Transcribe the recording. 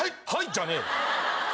じゃねえよ。